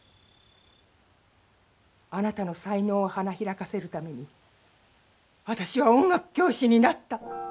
あなたの才能を花開かせるために私は音楽教師になった。